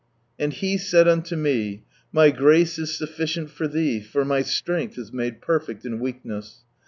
— "And He said unto me, 'My grace is sufficient for thee, for My strength is made perfect in weakness.'